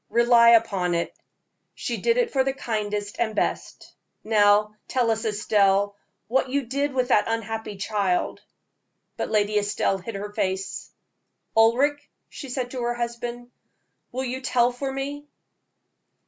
Rely upon it, she did it for the kindest and best. Now, tell us, Estelle, what you did with this unhappy child." But Lady Estelle hid her face. "Ulric," she said to her husband, "will you tell for me?"